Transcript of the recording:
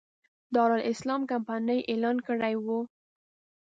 دارالسلام کمپنۍ اعلان کړی و.